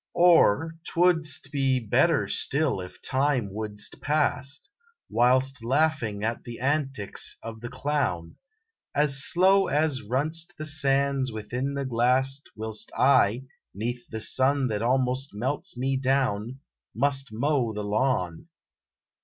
Or twouldst be better still if time wouldst pass, Whilst laughin at the antics of the clown, As slow as run st the sands within the glass Whilst I, neath sun that almost melts me down, Must mow the lawn.